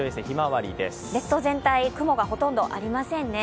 列島全体、ほとんど雲がありませんね。